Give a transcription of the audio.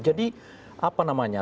jadi apa namanya